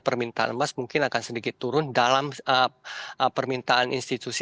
permintaan emas mungkin akan sedikit turun dalam permintaan institusi